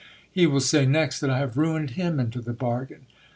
He will say next, that I have ruined him into the bargain